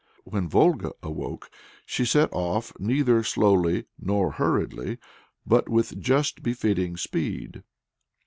When Volga awoke, she set off neither slowly nor hurriedly, but with just befitting speed.